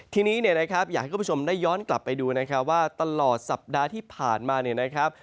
ทีนี้เนี่ยนะครับอยากให้คุณผู้ชมได้ย้อนกลับไปดูนะครับว่าตลอดสัปดาห์ที่ผ่านมาเนี่ยนะครับ